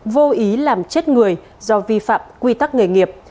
vô ý làm chết người do vi phạm quy tắc nghề nghiệp